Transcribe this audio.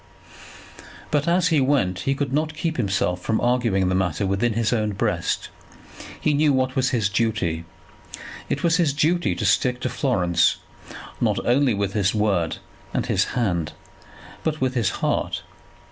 But as he went he could not keep himself from arguing the matter within his own breast. He knew what was his duty. It was his duty to stick to Florence, not only with his word and his hand, but with his heart.